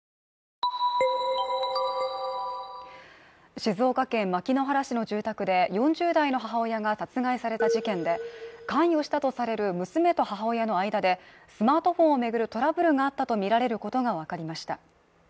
静岡県牧之原市の住宅で４０代の母親が殺害された事件で関与したとされる娘と母親の間でスマートフォンをめぐるトラブルがあったと見られることが分かりました